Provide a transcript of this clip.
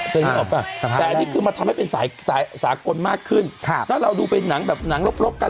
แต่อันนี้คือมันทำให้เป็นสายสากลมากขึ้นถ้าเราดูเป็นหนังแบบหนังรบรบกัน